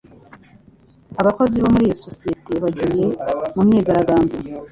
Abakozi bo muri iyo sosiyete bagiye mu myigaragambyo.